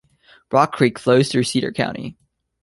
Rock Creek flows through Cedar County.